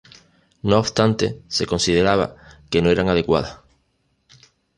No obstante, se consideraba que no eran adecuadas.